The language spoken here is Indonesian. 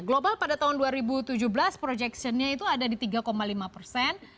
global pada tahun dua ribu tujuh belas projectionnya itu ada di tiga lima persen